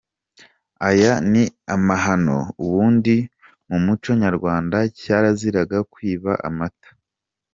Aya Ni amahano ubundi mu muco nyarwanda cyaraziraga kwiba amata! .